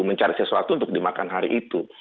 mencari sesuatu untuk dimakan hari itu